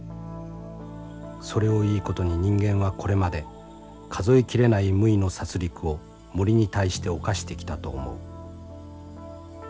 それをいいことに人間はこれまで数え切れない無為の殺りくを森に対して犯してきたと思う。